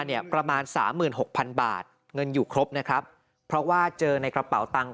เนี่ยประมาณ๓๖๐๐๐บาทเงินอยู่ครบนะครับเพราะว่าเจอในกระเป๋าตังค์